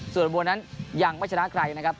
ส่วนบัวนั้นยังไม่ชนะใครนะครับ